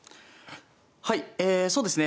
はいえそうですね